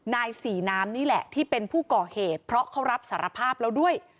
นายศรีน้ำนี่แหละที่เป็นผู้ก่อเหตุเพราะเขารับสารภาพแล้วด้วย